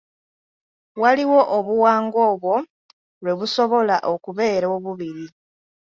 Waliwo obuwango obwo lwe busobola okubeera obubiri.